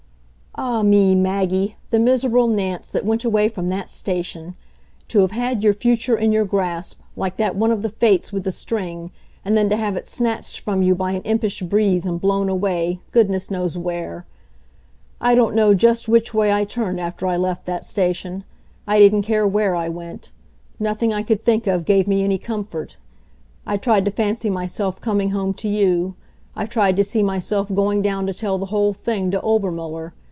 Ah me, Maggie, the miserable Nance that went away from that station! To have had your future in your grasp, like that one of the Fates with the string, and then to have it snatched from you by an impish breeze and blown away, goodness knows where! I don't know just which way I turned after I left that station. I didn't care where I went. Nothing I could think of gave me any comfort. I tried to fancy myself coming home to you. I tried to see myself going down to tell the whole thing to Obermuller.